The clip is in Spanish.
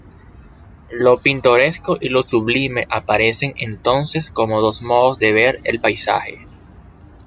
Lo pintoresco y lo sublime aparecen entonces como dos modos de ver el paisaje.